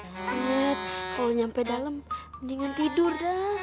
banget kalau nyampe dalam mendingan tidur dah